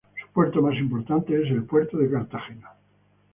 Su puerto más importante es el Puerto de Cartagena.